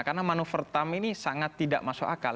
karena manuver trump ini sangat tidak masuk akal